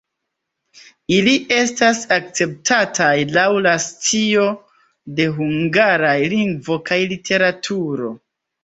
Ili estas akceptataj laŭ la scio de hungaraj lingvo kaj literaturo.